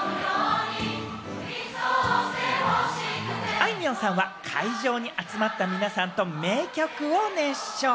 あいみょんさんは会場に集まった皆さんと名曲を熱唱。